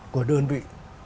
của đơn vị